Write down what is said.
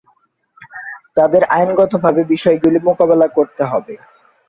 তাদের আইনগতভাবে বিষয়গুলি মোকাবেলা করতে হবে।